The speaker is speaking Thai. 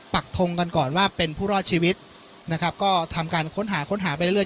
ปักทงกันก่อนว่าเป็นผู้รอดชีวิตนะครับก็ทำการค้นหาค้นหาไปเรื่อ